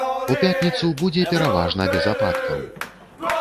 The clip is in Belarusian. У пятніцу будзе пераважна без ападкаў.